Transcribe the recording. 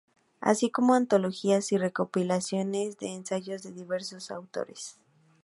Así como antologías y recopilaciones de ensayos de diversos autores.